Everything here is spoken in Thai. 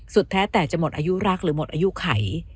แท้แต่จะหมดอายุรักหรือหมดอายุไข